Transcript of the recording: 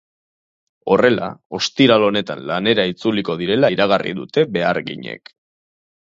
Horrela, ostiral honetan lanera itzuliko direla iragarri dute beharginek.